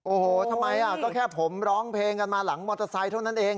โอ้โหทำไมก็แค่ผมร้องเพลงกันมาหลังมอเตอร์ไซค์เท่านั้นเอง